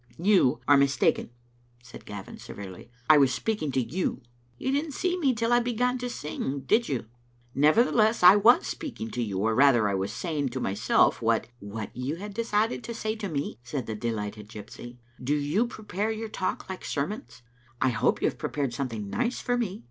" You are mistaken,." said Gavin, severely. I was speaking to you. " "You didn't see me till I began to sing, did you?" " Nevertheless I was speaking to you, or rather, I was saying to myself what " "What you had decided to say to me?" said the de lighted gypsy. "Do you prepare your talk like sermons? I hope you have prepared something nice for me.